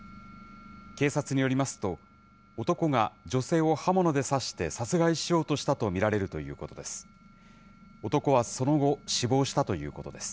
警察によりますと、男が女性を刃物で刺して殺害しようとしたと見られるということです。